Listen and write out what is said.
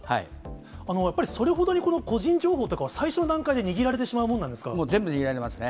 やっぱりそれほどにこの個人情報とかを最初の段階で握られてしま全部握られますね。